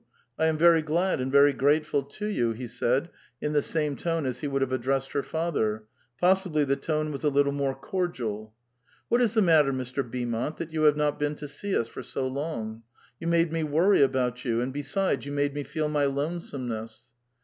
I am vei y glad and very grateful to you," he said in the same tone as he would have addressed her father ; possibly the tone was a little more cordial. '' What is the matter, Mr. Beaumont, that you have not been to see us for so long ? You made me woiry about you, and besides, you made me feel my lonesomeness."